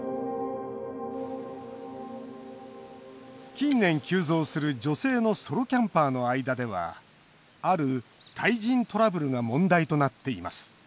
近年、急増する女性のソロキャンパーの間ではある対人トラブルが問題となっています。